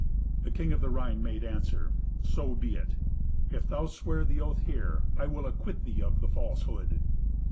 The king of the Rhine made answer, "So be it. If thou swear the oath here, I will acquit thee of the falsehood."